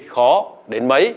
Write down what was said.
khó đến mấy